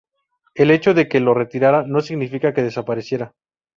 el hecho de que lo retiraran no significa que desapareciera